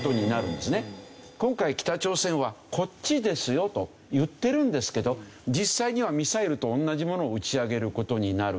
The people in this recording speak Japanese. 今回北朝鮮はこっちですよと言ってるんですけど実際にはミサイルと同じものを打ち上げる事になる。